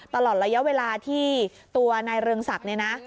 ตลอดระยะเวลาที่ตัวในเรืองศักดิ์